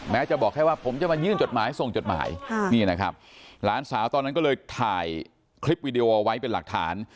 จะบอกแค่ว่าผมจะมายื่นจดหมายส่งจดหมายนี่นะครับหลานสาวตอนนั้นก็เลยถ่ายคลิปวิดีโอเอาไว้เป็นหลักฐาน